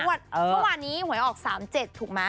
เมื่อวานนี้หวยออก๓๗ถูกไหม